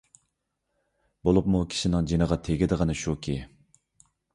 بولۇپمۇ كىشىنىڭ جېنىغا تېگىدىغىنى شۇكى،